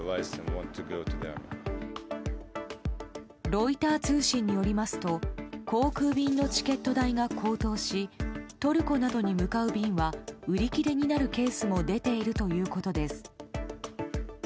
ロイター通信によりますと航空便のチケット代が高騰しトルコなどに向かう便は売り切れになるケースも出ているということです。